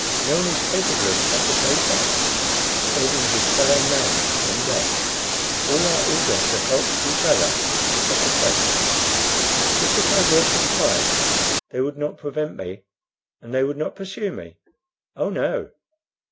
No one is capable of such a base act as saving his fellow man from death. All are eager to help each other to such a fate." "But if I were to fly they would not prevent me, and they would not pursue me?" "Oh no."